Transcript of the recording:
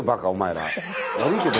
「悪いけど」